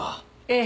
ええ。